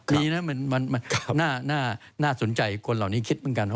นี่นะน่าสนใจคนเหล่านี้คิดเหมือนกัน